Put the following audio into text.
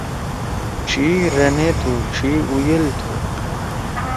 ڇھی رنے تُھو۔ ڇھی اُجل تُھو۔